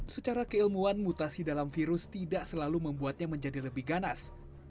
secara keilmuan mutasi dalam virus tidak selalu membuatnya menjadi lebih ganas